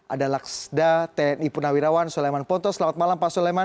adalaksda tni punawirawan suleman pontos selamat malam pak suleman